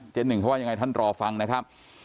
หนึ่งเขาว่ายังไงท่านรอฟังนะครับ